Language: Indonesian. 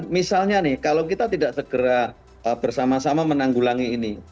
misalnya nih kalau kita tidak segera bersama sama menanggulangi ini